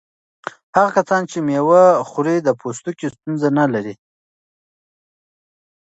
هغه کسان چې مېوه خوري د پوستکي ستونزې نه لري.